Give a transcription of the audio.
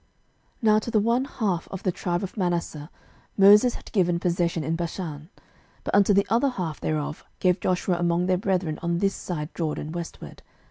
06:022:007 Now to the one half of the tribe of Manasseh Moses had given possession in Bashan: but unto the other half thereof gave Joshua among their brethren on this side Jordan westward.